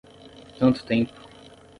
Tanto tempo